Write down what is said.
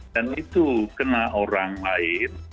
dan itu kena orang lain